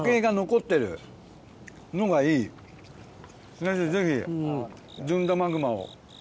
先生ぜひずんだマグマを。